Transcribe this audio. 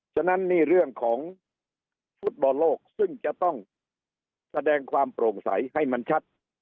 ฉะนั้นนี่เรื่องของฟุตบอลโลกซึ่งจะต้องแสดงความโปร่งใสให้มันชัด